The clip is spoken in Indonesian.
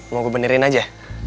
mau gue benerin aja